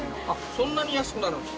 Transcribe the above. そんなに安くなるんですか。